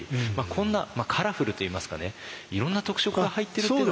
こんなカラフルといいますかねいろんな特色が入ってるというのは？